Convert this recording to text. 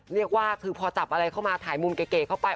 เรียกว่าคือพอจับอะไรเข้ามาถ่ายมุมเก๋เข้าไป